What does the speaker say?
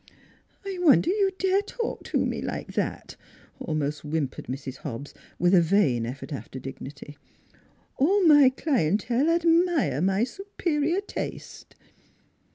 " I wonder you dare talk to me like that," almost whimpered Mrs. Hobbs, with a vain 86 NEIGHBORS effort after dignity. " All my clientele admire my superior taste."